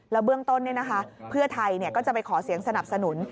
เบื้องต้นเพื่อไทยก็จะไปขอเสียงสนับสนุน